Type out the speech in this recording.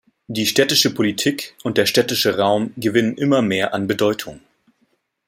Die städtische Politik und der städtische Raum gewinnen immer mehr an Bedeutung.